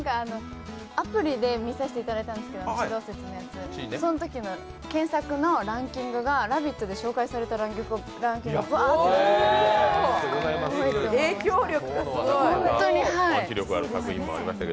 アプリで見させていただいたんですけど、そのときの検索のランキングが「ラヴィット！」で紹介されたランキングが出てて、すごいと思いました。